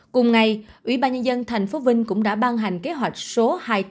cùng ngày ubnd tp vinh cũng đã ban hành kế hoạch số hai trăm tám mươi ba